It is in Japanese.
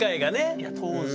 いや当時は。